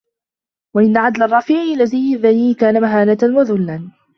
وَإِنْ عَدَلَ الرَّفِيعُ إلَى زِيِّ الدَّنِيءِ كَانَ مَهَانَةً وَذُلًّا